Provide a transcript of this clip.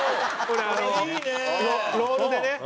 これローラーでね